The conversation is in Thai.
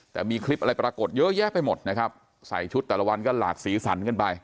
แต่มีคลิปอะไรปรากฏเยอะแยะไปหมดนะครับใส่ชุดแต่ละวันก็หลากสีสันกันไป